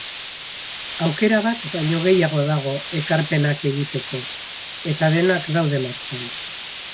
Aukera bat baino gehiago dago ekarpenak egiteko, eta denak daude martxan.